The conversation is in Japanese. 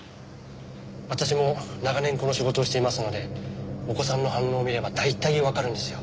私も長年この仕事をしていますのでお子さんの反応を見れば大体わかるんですよ。